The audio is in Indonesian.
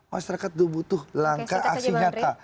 masyarakat itu butuh langkah aksi nyata